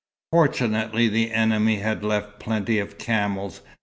Fortunately the enemy had left plenty of camels.